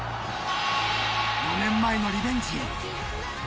４年前のリベンジへ。